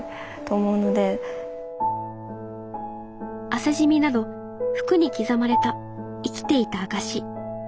汗染みなど服に刻まれた生きていた証し。